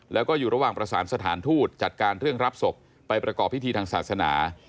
แล้วก็อยู่ระหว่างประสานสถานทูตจัดการเรื่องรับศพไปประกอบพิธีทางศาสนา